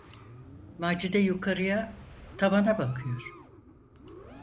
Macide yukarıya, tavana bakıyor.